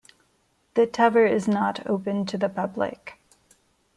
The tower is not open to the public.